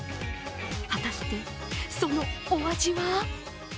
果たして、そのお味は？